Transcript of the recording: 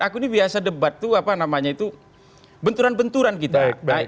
aku ini biasa debat benturan benturan kita